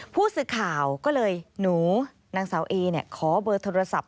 ผู้สื่อข่าวก็เลยหนูนางสาวเอขอเบอร์โทรศัพท์